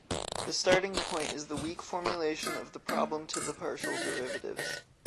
The starting point is the weak formulation of the problem to the partial derivatives.